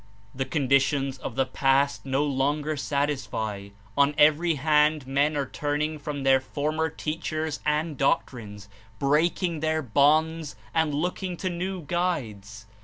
The conditions of the past no longer satisfy. On every hand men are turning from their former teach ers and doctrines, breaking their bonds and looking to new guides.